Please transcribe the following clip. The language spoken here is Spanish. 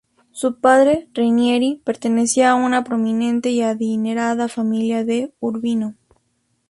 Su padre, Ranieri, pertenecía a una prominente y adinerada familia de Urbino.